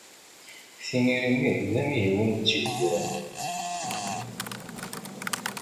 Tiniri-nni d amihi win tt-izegren.